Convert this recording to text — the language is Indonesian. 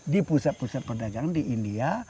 di pusat pusat perdagangan di india